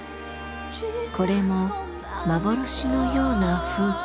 これも幻のような風景。